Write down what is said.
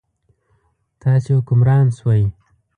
تاسې حکمران شوئ.